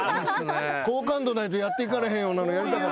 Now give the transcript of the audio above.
好感度ないとやっていかれへんようなのやりたかった。